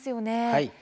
はい。